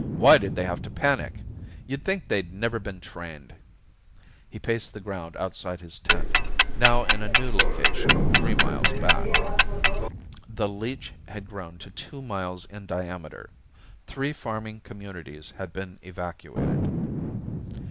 "Why did they have to panic? You'd think they'd never been trained." He paced the ground outside his tent, now in a new location three miles back. The leech had grown to two miles in diameter. Three farming communities had been evacuated.